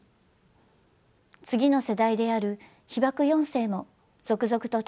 次の世代である被爆四世も続々と誕生し成長しています。